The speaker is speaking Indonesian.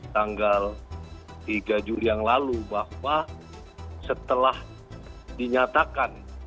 tanggal tiga juli yang lalu bahwa setelah dinyatakan